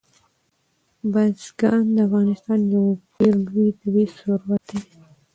بزګان د افغانستان یو ډېر لوی طبعي ثروت دی.